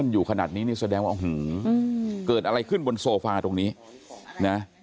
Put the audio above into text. อยู่ขนาดนี้นี่แสดงว่าอื้อหือเกิดอะไรขึ้นบนโซฟาตรงนี้นะ